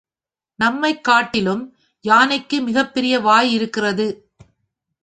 நம்மைக் காட்டிலும் யானைக்கு மிகப் பெரிய வாய் இருக்கிறது.